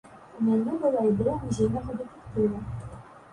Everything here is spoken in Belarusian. У мяне была ідэя музейнага дэтэктыва.